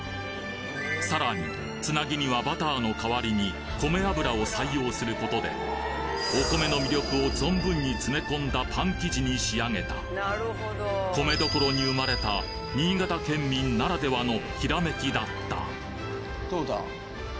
さらにつなぎにはバターの代わりに米油を採用することでお米の魅力を存分に詰め込んだパン生地に仕上げた米どころに生まれた新潟県民ならではの閃きだったどうだ？